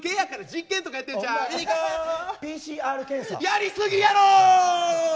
やりすぎやろ！